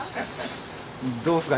どうですか？